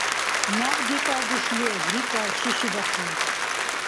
– Наб декӀардеш леб, – рикӀар Шушу-Баху.